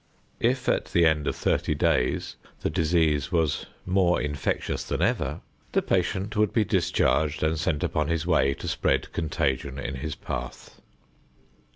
If at the end of thirty days the disease was more infectious than ever, the patient would be discharged and sent upon his way to spread contagion in his path.